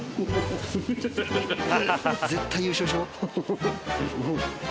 絶対優勝しよう。